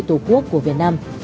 tổ quốc của việt nam